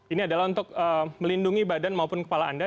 ini adalah untuk melindungi badan maupun kepala anda